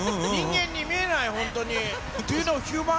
人間に見えない、本当に。